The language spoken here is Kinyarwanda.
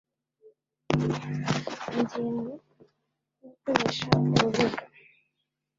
Ingingo zo gukoresha urubuga